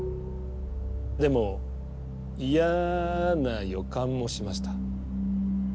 でもいやな予感もしました。